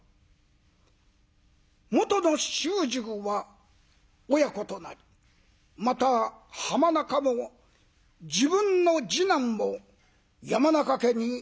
もとの主従は親子となりまた浜川も自分の次男を山中家に養子に出します。